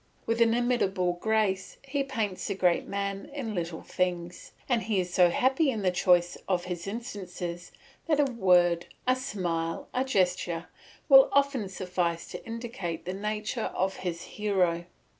With inimitable grace he paints the great man in little things; and he is so happy in the choice of his instances that a word, a smile, a gesture, will often suffice to indicate the nature of his hero.